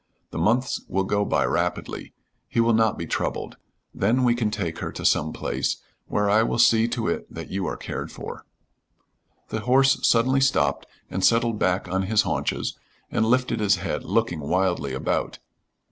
The months will go by rapidly. He will not be troubled. Then we can take her to some place, where I will see to it that you are cared for " The horse suddenly stopped and settled back on his haunches and lifted his head, looking wildly about.